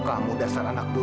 kamu dasar anak durianya